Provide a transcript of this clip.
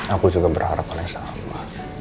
aku juga berharap oleh sama